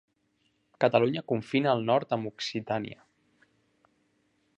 Catalunya confina al nord amb Occitània.